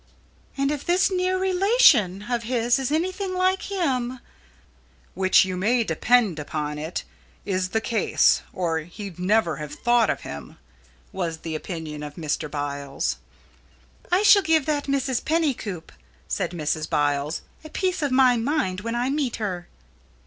"And if this 'near relation' of his is anything like him " "Which you may depend upon it is the Case, or he'd never have thought of him," was the opinion of Mr. Biles. "I shall give that Mrs. Pennycoop," said Mrs. Biles, "a piece of my mind when I meet her."